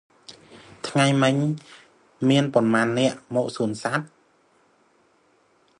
ថ្ងៃមិញ មានប៉ុន្មាននាក់មកសួនសត្វ?